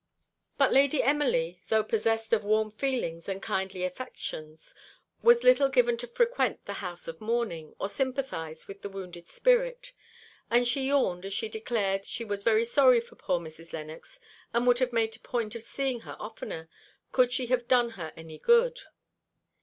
But Lady Emily, though possessed of warm feelings and kindly affections, was little given to frequent the house of mourning, or sympathise with the wounded spirit; and she yawned as she declared she was very sorry for poor Mrs. Lennox, and would have made a point of seeing her oftener, could she have done her any good.